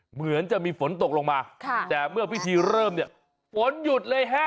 เหมือนจะมีฝนตกลงมาแต่เมื่อพิธีเริ่มเนี่ยฝนหยุดเลยฮะ